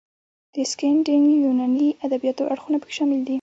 د سکینډینیویايي ادبیاتو اړخونه پکې شامل دي.